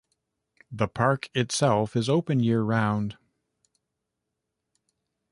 The park itself is open year-round.